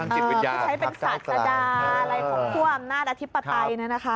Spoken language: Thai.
พูดใช้เป็นสัตว์ประดาษอะไรของความน่ารัฐอธิปไตยเนี่ยนะคะ